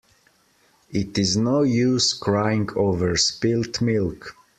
It is no use crying over spilt milk.